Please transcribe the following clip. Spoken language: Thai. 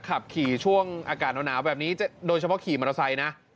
ขับขี่ช่วงอากาศหนาวแบบนี้โดยเฉพาะขี่มอเตอร์ไซค์นะ